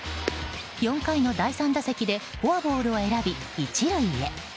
４回の第３打席でフォアボールを選び１塁へ。